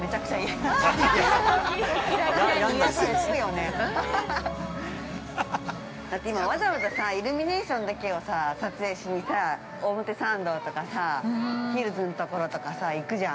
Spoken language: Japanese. でも、わざわざさイルミネーションだけを撮影しに表参道とかさ、ヒルズのところとか行くじゃん。